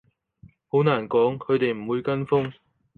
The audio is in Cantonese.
好難講，佢哋唔會跟風